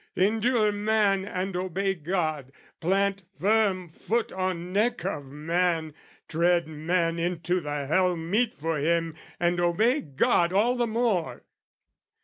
Endure man and obey God: plant firm foot On neck of man, tread man into the hell Meet for him, and obey God all the more!